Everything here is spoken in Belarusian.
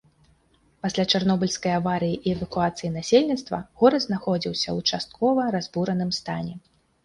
Пасля чарнобыльскай аварыі і эвакуацыі насельніцтва горад знаходзіцца ў часткова разбураным стане.